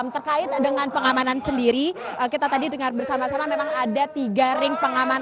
terkait dengan pengamanan sendiri kita tadi dengar bersama sama memang ada tiga ring pengaman